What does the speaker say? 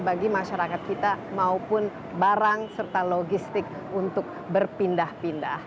bagi masyarakat kita maupun barang serta logistik untuk berpindah pindah